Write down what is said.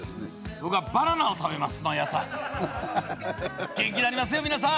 僕はバナナを食べます。